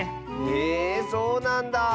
えそうなんだ！